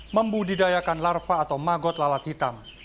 membudidayakan larva atau magot lalat hitam